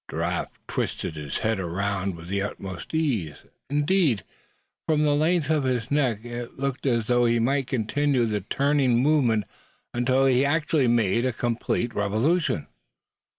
Giraffe twisted his head around with the utmost ease; indeed, from the length of his neck it looked as though he might continue the turning movement until he had actually made a complete revolution.